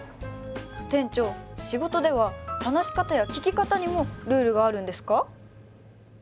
店長仕事では話し方や聞き方にもルールがあるんですか？